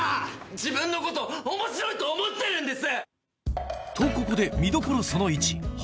自分のこと面白いと思ってるんです！